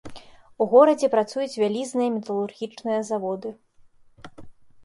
У горадзе працуюць вялізныя металургічныя заводы.